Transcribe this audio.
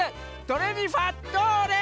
ドレミファどれ？」